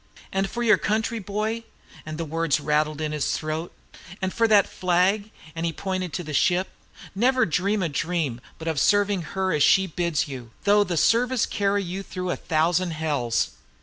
And for your country, boy," and the words rattled in his throat, " and for that flag," and he pointed to the ship, "never dream a dream but of serving her as she bids you, though the service carry you through a thousand hells.